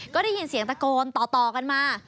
ก็ได้ยินเสียงตะโกนต่อกันมา